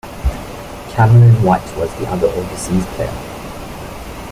Cameron White was the other overseas player.